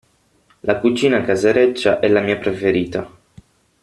La cucina casereccia è la mia preferita.